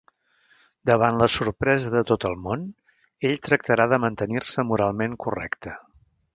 Davant la sorpresa de tot el món, ell tractarà de mantenir-se moralment correcte.